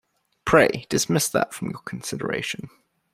Pray dismiss that from your consideration.